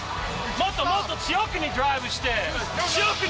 もっともっと強くにドライブして！